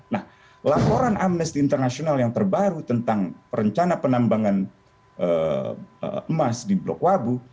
nah laporan amnesty international yang terbaru tentang rencana penambangan emas di blok wabu